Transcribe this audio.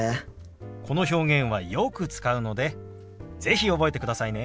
この表現はよく使うので是非覚えてくださいね。